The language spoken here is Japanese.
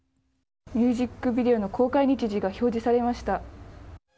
ミュージックビデオの公開日時が表示されました。